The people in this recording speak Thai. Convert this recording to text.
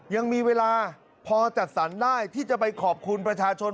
ยังมีเวลาพอจัดสรรได้ที่จะไปขอบคุณประชาชน